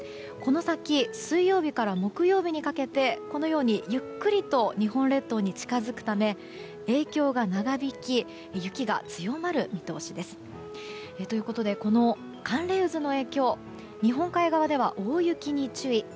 この先、水曜日から木曜日にかけて、このようにゆっくりと日本列島に近づくため影響が長引き雪が強まる見通しです。ということで、寒冷渦の影響日本海側では大雪に注意。